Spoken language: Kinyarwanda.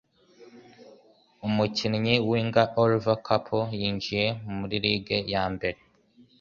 Umukinnyi winger Olivier Kapo yinjiye muri Ligue yambere